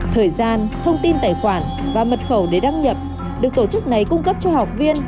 thời gian thông tin tài khoản và mật khẩu để đăng nhập được tổ chức này cung cấp cho học viên